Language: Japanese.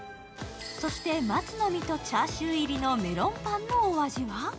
そして松の実とチャーシュー入りのメロンパンのお味は？